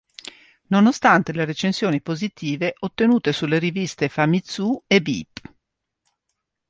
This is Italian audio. Nonostante le recensioni positive ottenute sulle riviste "Famitsū" e "Beep!